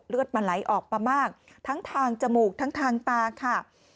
เลือดมันไหลออกมามากทั้งทางจมูกทั้งทางตาค่ะ